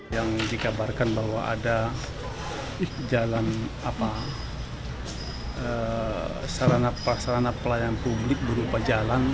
yang dikabarkan bahwa ada jalan serana pelayanan publik berupa jalan